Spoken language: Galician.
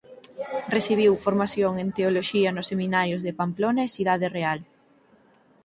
Recibiu formación en Teoloxía nos seminarios de Pamplona e Cidade Real.